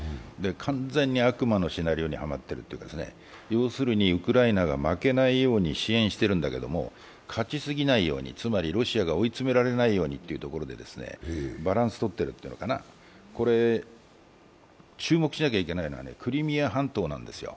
完全に悪魔のシナリオにはまっているというか、要するにウクライナが負けないように支援しているんだけれども勝ち過ぎないようにつまりロシアが追い詰められないようにバランスをとっているというのかな、これ注目しなければいけないのはクリミア半島なんですよ。